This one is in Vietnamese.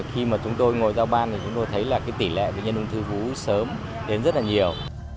khi mà chúng tôi ngồi giao ban thì chúng tôi thấy là cái tỷ lệ bệnh nhân ung thư vú sớm đến rất là nhiều